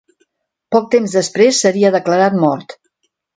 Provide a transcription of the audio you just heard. Poc temps després seria declarat mort.